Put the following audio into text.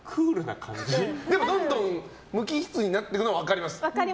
でもどんどん無機質になっていくのは分かります。